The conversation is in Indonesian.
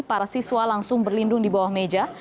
para siswa langsung berlindung di bawah meja